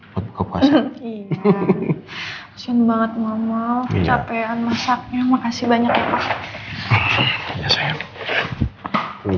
masukan banget mamah capean makasih banyak